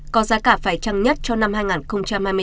có giá cả phải trăng nhất cho năm hai nghìn hai mươi bốn